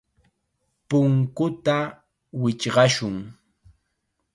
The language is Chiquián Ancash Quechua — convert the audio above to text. Punkuta wichqashun.